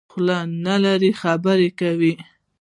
خوله نلرې خبره وکه.